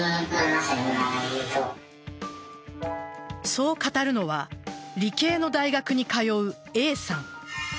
そう語るのは理系の大学に通うＡさん。